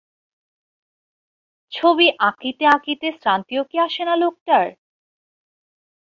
ছবি আঁকিতে আঁকিতে শ্রান্তিও কি আসে না লোকটার!